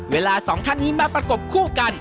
สองท่านนี้มาประกบคู่กัน